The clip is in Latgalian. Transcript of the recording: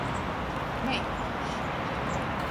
Meitičs.